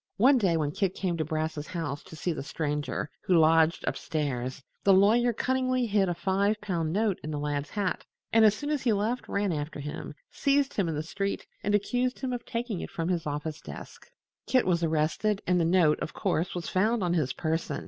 One day, when Kit came to Brass's house to see the Stranger, who lodged up stairs, the lawyer cunningly hid a five pound note in the lad's hat and as soon as he left ran after him, seized him in the street and accused him of taking it from his office desk. Kit was arrested, and the note, of course, was found on his person.